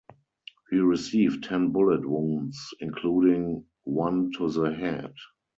He received ten bullet wounds, including one to the head.